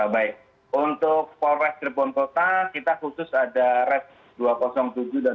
baik untuk polres cirebon kota kita khusus ada res dua ratus tujuh dan dua